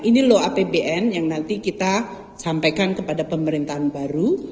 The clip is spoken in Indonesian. ini loh apbn yang nanti kita sampaikan kepada pemerintahan baru